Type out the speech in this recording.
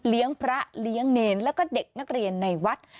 พระเลี้ยงเนรแล้วก็เด็กนักเรียนในวัด